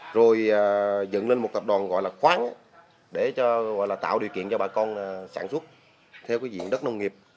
rồi dựng lên một tập đoàn gọi là khoáng để gọi là tạo điều kiện cho bà con sản xuất theo cái diện đất nông nghiệp